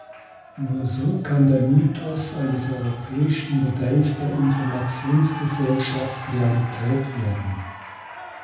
Nur so kann der Mythos eines europäischen Modells der Informationsgesellschaft Realität werden.